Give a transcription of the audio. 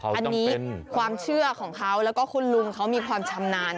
อันนี้ความเชื่อของเขาแล้วก็คุณลุงเขามีความชำนาญ